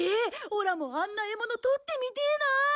オラもあんな獲物とってみてえな！